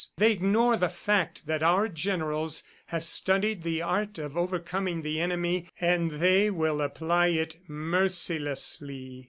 They ignore the fact that our generals have studied the art of overcoming the enemy and they will apply it mercilessly.